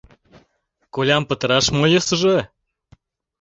— Колям пытараш мо йӧсыжӧ.